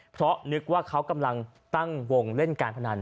เพราะนึกว่าเขากำลังตั้งวงเล่นการพนัน